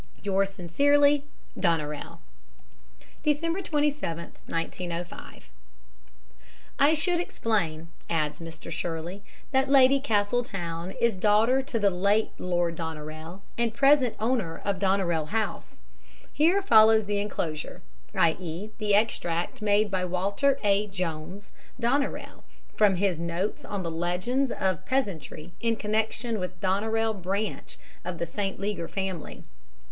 "Yours sincerely, "DONERAILE." "Dec. 27, 1905." "I should explain," adds Mr. Shirley, "that Lady Castletown is daughter to the late Lord Doneraile, and present owner of Doneraile House. Here follows the enclosure, i.e. the extract made by Walter A. Jones, Doneraile, from his MS. notes on the Legends of Peasantry in connection with Doneraile branch of the St. Leger family.